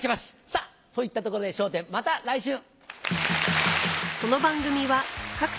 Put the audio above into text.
さぁといったとこで『笑点』また来週！